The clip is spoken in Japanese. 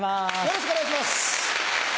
よろしくお願いします。